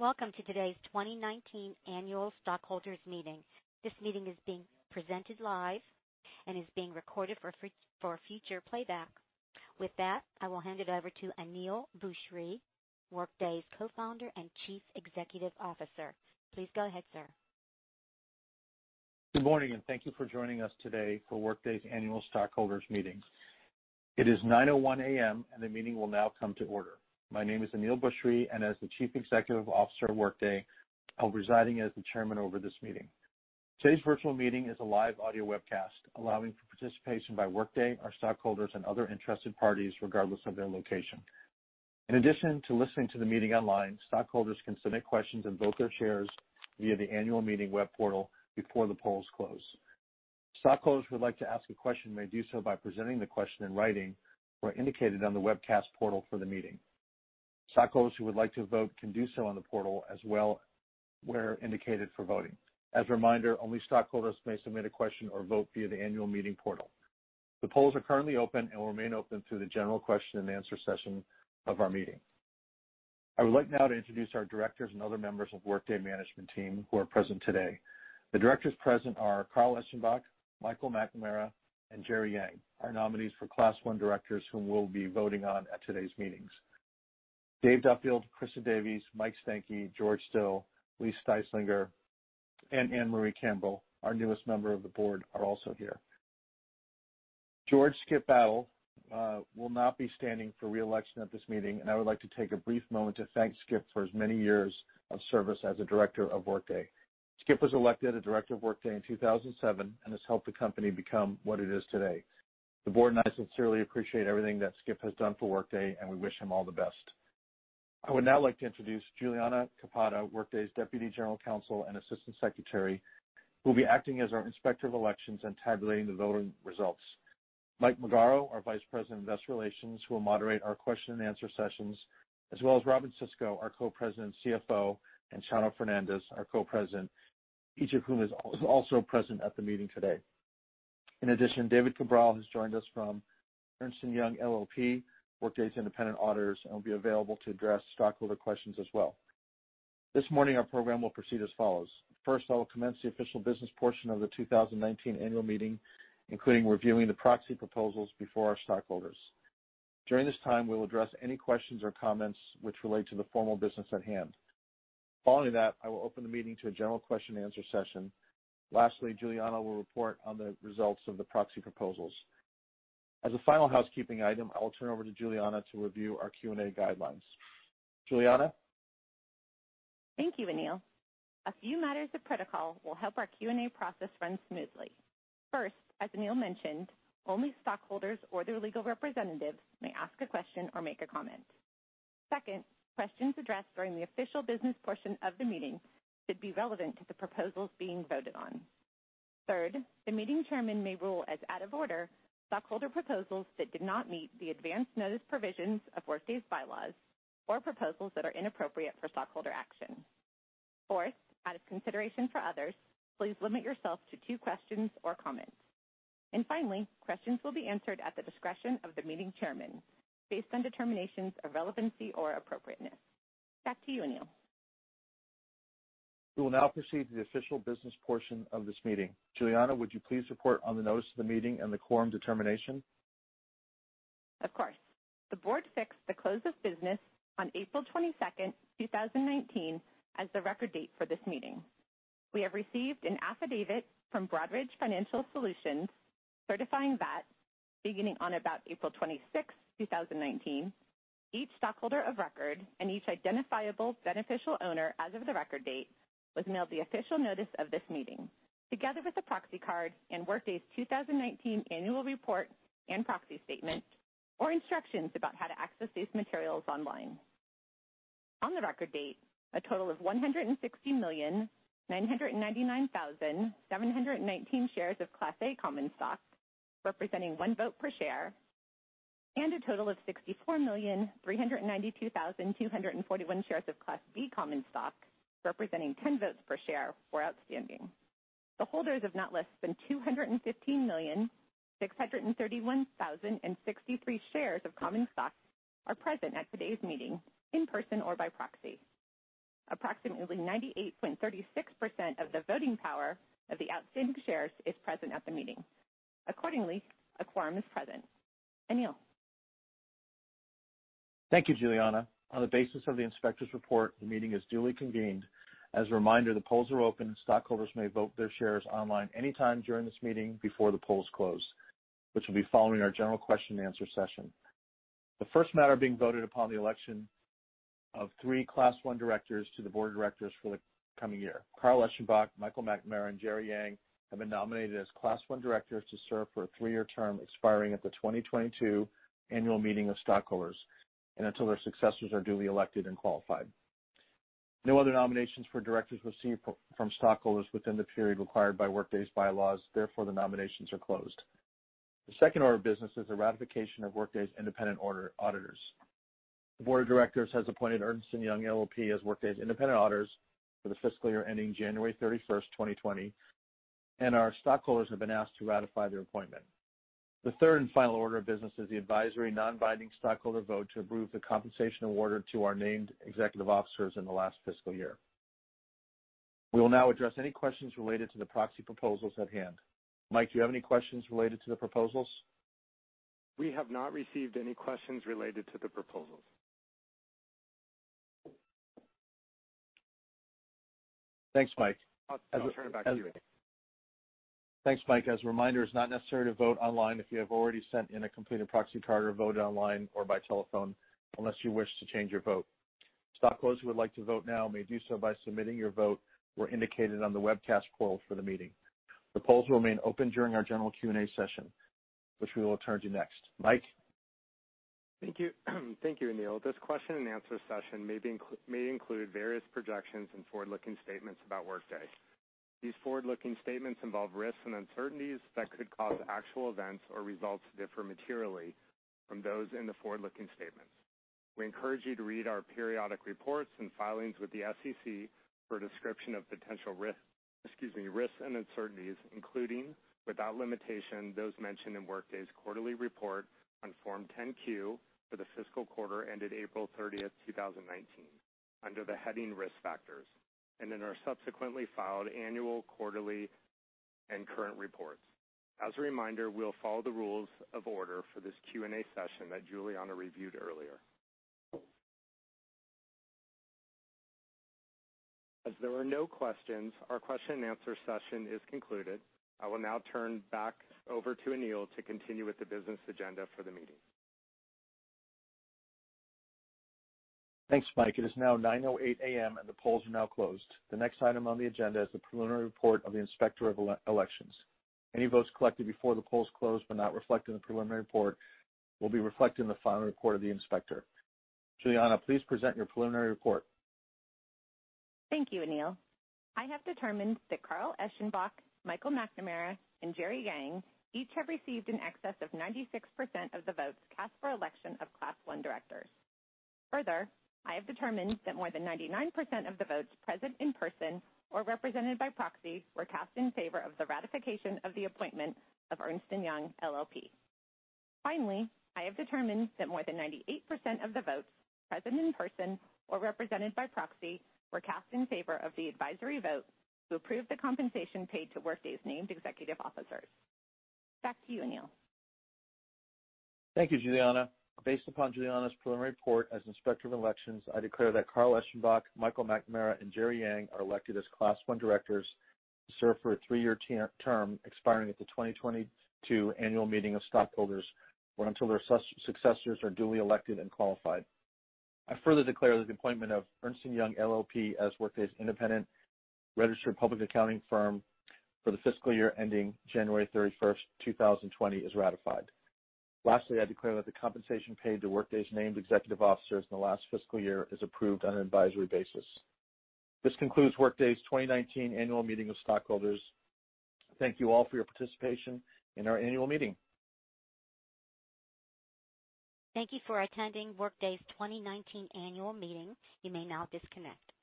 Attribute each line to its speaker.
Speaker 1: Welcome to today's 2019 annual stockholders meeting. This meeting is being presented live and is being recorded for future playback. With that, I will hand it over to Aneel Bhusri, Workday's Co-Founder and Chief Executive Officer. Please go ahead, sir.
Speaker 2: Good morning, and thank you for joining us today for Workday's annual stockholders meeting. It is 9:01 A.M., and the meeting will now come to order. My name is Aneel Bhusri, and as the Chief Executive Officer of Workday, I'll be residing as the chairman over this meeting. Today's virtual meeting is a live audio webcast allowing for participation by Workday, our stockholders, and other interested parties, regardless of their location. In addition to listening to the meeting online, stockholders can submit questions and vote their shares via the annual meeting web portal before the polls close. Stockholders who would like to ask a question may do so by presenting the question in writing where indicated on the webcast portal for the meeting. Stockholders who would like to vote can do so on the portal as well, where indicated for voting. As a reminder, only stockholders may submit a question or vote via the annual meeting portal. The polls are currently open and will remain open through the general question and answer session of our meeting. I would like now to introduce our directors and other members of Workday management team who are present today. The directors present are Carl Eschenbach, Michael McNamara, and Jerry Yang, our nominees for Class One directors, whom we'll be voting on at today's meetings. Dave Duffield, Christa Davies, Mike Stankey, George Still, Lee Styslinger, and Ann-Marie Campbell, our newest member of the board, are also here. George Skip Battle will not be standing for re-election at this meeting, and I would like to take a brief moment to thank Skip for his many years of service as a director of Workday. Skip was elected a director of Workday in 2007 and has helped the company become what it is today. The board and I sincerely appreciate everything that Skip has done for Workday, and we wish him all the best. I would now like to introduce Juliana Capotosto, Workday's Deputy General Counsel and Assistant Secretary, who will be acting as our Inspector of Elections and tabulating the voting results. Mike Magaro, our Vice President of Investor Relations, who will moderate our question and answer sessions, as well as Robynne Sisco, our Co-President and CFO, and Chano Fernandez, our Co-President, each of whom is also present at the meeting today. In addition, David Cabral has joined us from Ernst & Young LLP, Workday's independent auditors, and will be available to address stockholder questions as well. This morning, our program will proceed as follows. First, I will commence the official business portion of the 2019 annual meeting, including reviewing the proxy proposals before our stockholders. During this time, we will address any questions or comments which relate to the formal business at hand. Following that, I will open the meeting to a general question and answer session. Lastly, Juliana will report on the results of the proxy proposals. As a final housekeeping item, I will turn over to Juliana to review our Q&A guidelines. Juliana?
Speaker 3: Thank you, Aneel. A few matters of protocol will help our Q&A process run smoothly. First, as Aneel mentioned, only stockholders or their legal representatives may ask a question or make a comment. Second, questions addressed during the official business portion of the meeting should be relevant to the proposals being voted on. Third, the meeting chairman may rule as out of order stockholder proposals that did not meet the advance notice provisions of Workday's bylaws or proposals that are inappropriate for stockholder action. Fourth, out of consideration for others, please limit yourself to two questions or comments. Finally, questions will be answered at the discretion of the meeting chairman based on determinations of relevancy or appropriateness. Back to you, Aneel.
Speaker 2: We will now proceed to the official business portion of this meeting. Juliana, would you please report on the notice of the meeting and the quorum determination?
Speaker 3: Of course. The board fixed the close of business on April 22nd, 2019, as the record date for this meeting. We have received an affidavit from Broadridge Financial Solutions certifying that beginning on about April 26th, 2019, each stockholder of record and each identifiable beneficial owner as of the record date was mailed the official notice of this meeting, together with the proxy card and Workday's 2019 annual report and proxy statement or instructions about how to access these materials online. On the record date, a total of 160,999,719 shares of Class A common stock, representing one vote per share, and a total of 64,392,241 shares of Class B common stock, representing 10 votes per share, were outstanding. The holders of not less than 215,631,063 shares of common stock are present at today's meeting in person or by proxy. Approximately 98.36% of the voting power of the outstanding shares is present at the meeting. Accordingly, a quorum is present. Aneel.
Speaker 2: Thank you, Juliana. On the basis of the inspector's report, the meeting is duly convened. As a reminder, the polls are open, and stockholders may vote their shares online anytime during this meeting before the polls close, which will be following our general question and answer session. The first matter being voted upon, the election of three Class One directors to the board of directors for the coming year. Carl Eschenbach, Michael McNamara, and Jerry Yang have been nominated as Class One directors to serve for a three-year term expiring at the 2022 annual meeting of stockholders and until their successors are duly elected and qualified. No other nominations for directors received from stockholders within the period required by Workday's bylaws, therefore the nominations are closed. The second order of business is the ratification of Workday's independent auditors. The board of directors has appointed Ernst & Young LLP as Workday's independent auditors for the fiscal year ending January 31st, 2020, and our stockholders have been asked to ratify their appointment. The third and final order of business is the advisory, non-binding stockholder vote to approve the compensation awarded to our named executive officers in the last fiscal year. We will now address any questions related to the proxy proposals at hand. Mike, do you have any questions related to the proposals?
Speaker 4: We have not received any questions related to the proposals.
Speaker 2: Thanks, Mike.
Speaker 4: I'll turn it back to you.
Speaker 2: Thanks, Mike. As a reminder, it's not necessary to vote online if you have already sent in a completed proxy card or voted online or by telephone, unless you wish to change your vote. Stockholders who would like to vote now may do so by submitting your vote where indicated on the webcast poll for the meeting. The polls will remain open during our general Q&A session, which we will turn to next. Mike?
Speaker 4: Thank you, Aneel. This question and answer session may include various projections and forward-looking statements about Workday. These forward-looking statements involve risks and uncertainties that could cause actual events or results to differ materially from those in the forward-looking statements. We encourage you to read our periodic reports and filings with the SEC for a description of potential risk, excuse me, risks and uncertainties, including, without limitation, those mentioned in Workday's quarterly report on Form 10-Q for the fiscal quarter ended April 30th, 2019, under the heading Risk Factors, and in our subsequently filed annual, quarterly, and current reports. As a reminder, we'll follow the rules of order for this Q&A session that Juliana reviewed earlier. As there are no questions, our question and answer session is concluded. I will now turn back over to Aneel to continue with the business agenda for the meeting.
Speaker 2: Thanks, Mike. It is now 9:00 A.M. and the polls are now closed. The next item on the agenda is the preliminary report of the Inspector of Elections. Any votes collected before the polls closed but not reflected in the preliminary report will be reflected in the final report of the inspector. Juliana, please present your preliminary report.
Speaker 3: Thank you, Aneel. I have determined that Carl Eschenbach, Michael McNamara, and Jerry Yang each have received in excess of 96% of the votes cast for election of Class I directors. Further, I have determined that more than 99% of the votes present in person or represented by proxy were cast in favor of the ratification of the appointment of Ernst & Young LLP. Finally, I have determined that more than 98% of the votes present in person or represented by proxy were cast in favor of the advisory vote to approve the compensation paid to Workday's named executive officers. Back to you, Aneel.
Speaker 2: Thank you, Juliana. Based upon Juliana's preliminary report as Inspector of Elections, I declare that Carl Eschenbach, Michael McNamara, and Jerry Yang are elected as Class I directors to serve for a three-year term expiring at the 2022 Annual Meeting of Stockholders or until their successors are duly elected and qualified. I further declare that the appointment of Ernst & Young LLP as Workday's independent registered public accounting firm for the fiscal year ending January 31st, 2020, is ratified. Lastly, I declare that the compensation paid to Workday's named executive officers in the last fiscal year is approved on an advisory basis. This concludes Workday's 2019 Annual Meeting of Stockholders. Thank you all for your participation in our annual meeting.
Speaker 1: Thank you for attending Workday's 2019 annual meeting. You may now disconnect.